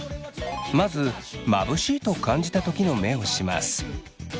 まずまぶしいと感じたときの目をします。